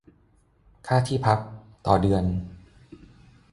ค่าที่พัก ต่อเดือน